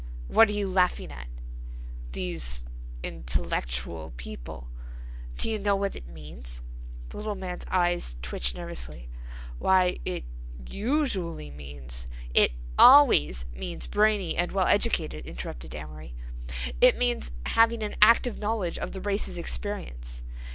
"What are you laughing at?" "These intellectual people—" "Do you know what it means?" The little man's eyes twitched nervously. "Why, it usually means—" "It always means brainy and well educated," interrupted Amory. "It means having an active knowledge of the race's experience."